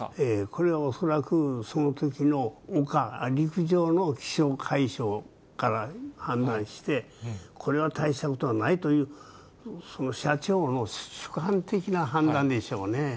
これは恐らく、そのときの陸、陸上の気象海象から判断して、これは大したことはないという、社長の主観的な判断でしょうね。